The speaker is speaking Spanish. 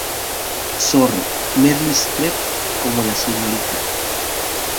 Zorro, Meryl Streep como la Sra.